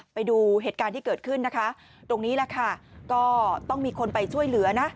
ไปดูเหตุการณ์ที่เกิดขึ้นตรงนี้ก็ต้องมีคนไปช่วยเหลือ